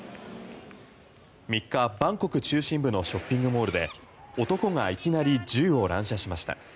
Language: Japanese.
３日、バンコク中心部のショッピングモールで男がいきなり銃を乱射しました。